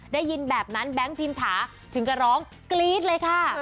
ได้ยินแบบนั้นแบงค์พิมถาถึงก็ร้องกรี๊ดเลยค่ะ